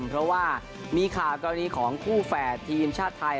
เพราะว่ามีข่าวกรณีของคู่แฝดทีมชาติไทย